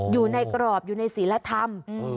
อยู่ในกรอบอยู่ในศิลธรรม